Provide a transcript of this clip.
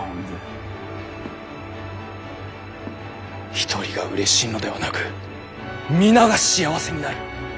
一人がうれしいのではなく皆が幸せになる。